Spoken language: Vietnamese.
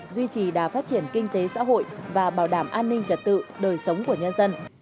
duy trì đà phát triển kinh tế xã hội và bảo đảm an ninh trật tự đời sống của nhân dân